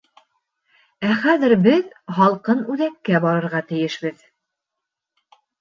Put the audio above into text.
Ә хәҙер беҙ һалҡын Үҙәккә барырға тейешбеҙ.